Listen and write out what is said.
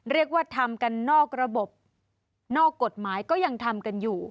เรียกว่าทำกันนอกระบบนอกกฎหมายก็ยังทำกันอยู่